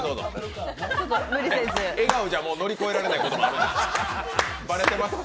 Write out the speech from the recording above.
笑顔じゃ乗り越えられないこともあります、バレてる。